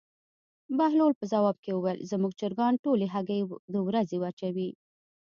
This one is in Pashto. بهلول په ځواب کې وویل: زموږ چرګان ټولې هګۍ د ورځې اچوي.